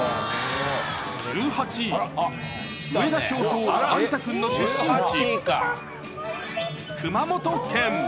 １８位、上田教頭、有田君の出身地、熊本県。